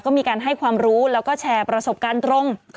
ก็มีการให้ความรู้แล้วก็แชร์ประสบการณ์ตรง